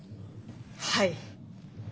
はい！